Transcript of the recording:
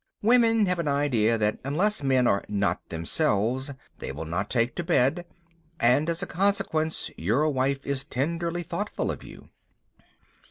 Women have an idea that unless men are "not themselves" they will not take to bed, and as a consequence your wife is tenderly thoughtful of you.